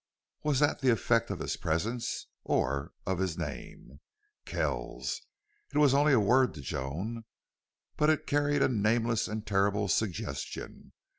Was that the effect of his presence or of his name? Kells! It was only a word to Joan. But it carried a nameless and terrible suggestion.